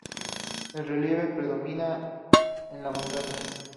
El relieve predominante es la montaña.